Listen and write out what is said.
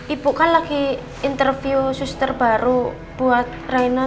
ibu kan lagi interview suster baru buat raina